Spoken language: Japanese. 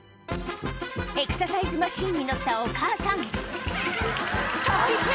エクササイズマシンに乗ったお母さん大変！